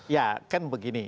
ya kan begini